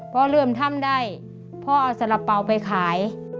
เริ่มทำได้พ่อเอาสาระเป๋าไปขาย